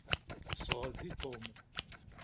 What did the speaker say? Sɣed i Tom.